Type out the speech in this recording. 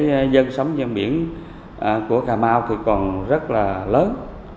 cái dân sống ven biển của cà mau thì còn rất là lớn